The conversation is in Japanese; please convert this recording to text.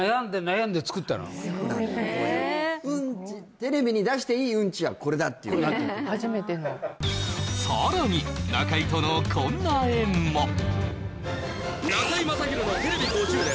へえテレビに出していいウンチはこれだっていう初めてのさらに中居とのこんな縁も「中居正広のテレビ５０年」